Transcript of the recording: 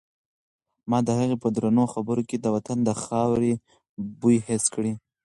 ما د هغې په درنو خبرو کې د وطن د خاورې بوی حس کړ.